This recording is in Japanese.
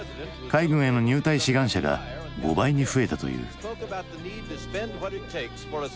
海軍への入隊志願者が５倍に増えたという。